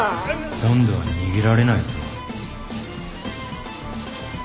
今度は逃げられないぞ。